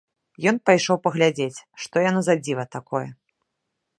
Ён пайшоў паглядзець, што яно за дзіва такое.